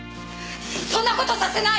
そんな事させない！